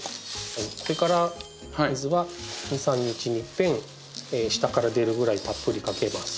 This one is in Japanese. それから水は２３日にいっぺん下から出るぐらいたっぷりかけます。